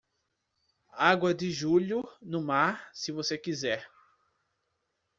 Água de julho, no mar, se você quiser.